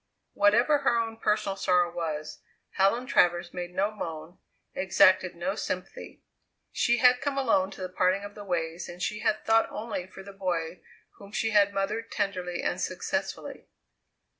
Whatever her own personal sorrow was, Helen Travers made no moan, exacted no sympathy. She had come alone to the parting of the ways, and she had thought only for the boy whom she had mothered tenderly and successfully.